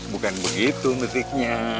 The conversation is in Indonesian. bukan begitu musiknya